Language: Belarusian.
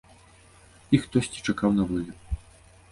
Іх хтосьці чакаў на волі.